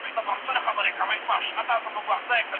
ده د زور پر ځای مشوره کاروله.